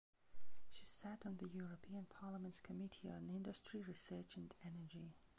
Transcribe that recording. She sat on the European Parliament's Committee on Industry, Research and Energy.